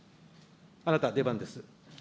あなた出番です。